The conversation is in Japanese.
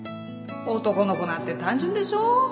男の子なんて単純でしょ？